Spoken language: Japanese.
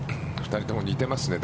２人とも似ていますね。